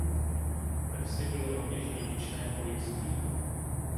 Ve vsi bylo rovněž dědičné fojtství.